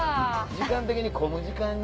時間的に混む時間に。